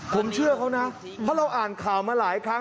ผมเชื่อเขานะเพราะเราอ่านข่าวมาหลายครั้ง